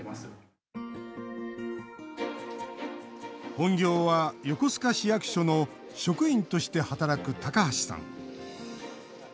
本業は、横須賀市役所の職員として働く高橋さん。